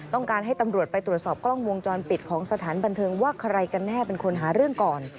ต้องการให้ตำรวจไปตรวจสอบกล้องวงจรปิดของสถานบันเทิงว่าใครกันแน่เป็นคนหาเรื่องก่อน